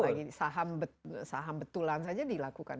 apalagi saham betulan saja dilakukan